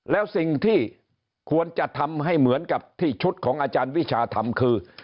แล้วสิ่งที่ควรจะทำให้เหมือนกับที่ชุดของอาจารย์วิชาทำคือ